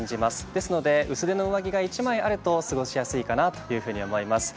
ですので薄手の上着が１枚あると過ごしやすいかなと思います。